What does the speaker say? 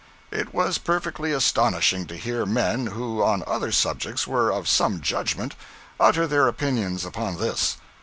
It was perfectly astonishing to hear men who, on other subjects, were of some judgment, utter their opinions upon this.